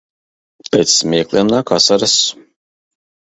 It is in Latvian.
Pēc smiekliem nāk asaras.